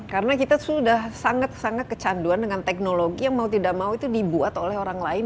karena kita sudah sangat sangat kecanduan dengan teknologi yang mau tidak mau itu dibuat oleh orang lain